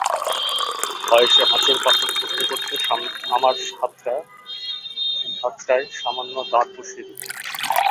ভয়ে সে হাঁচড়পাঁচড় করতে করতে আমার হাতটায় সামান্য দাঁত বসিয়ে দিলে।